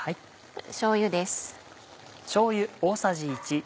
しょうゆです。